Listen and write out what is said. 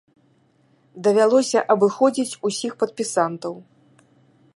Давялося абыходзіць усіх падпісантаў.